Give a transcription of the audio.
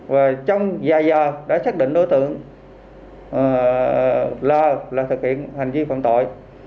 và trong dài giờ đã xác định đối tượng là thực hiện hành vi phạm tội